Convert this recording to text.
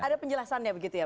ada penjelasannya begitu ya